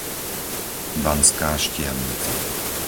Banská Štiavnica